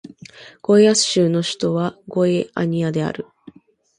ゴイアス州の州都はゴイアニアである